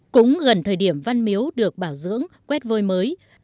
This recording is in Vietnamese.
cũng gần thời điểm văn miếu được bảo dưỡng quét vôi mới